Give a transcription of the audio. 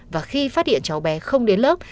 và khi phát hiện cháu bé không đến lớp